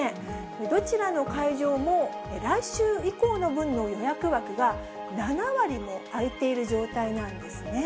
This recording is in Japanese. どちらの会場も来週以降の分の予約枠が７割も空いている状態なんですね。